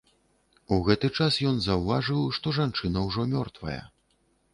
У гэты час ён заўважыў, што жанчына ўжо мёртвая.